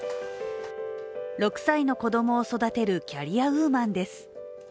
６歳の子供を育てるキャリアウーマンです。